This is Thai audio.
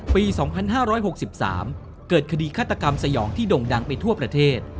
ปี๒๕๖๓เกิดคดีฆาตกรรมสยองที่ด่งดังไปทั่วประเทศ